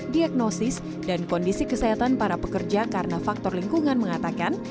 diagnosis dan kondisi kesehatan para pekerja karena faktor lingkungan mengatakan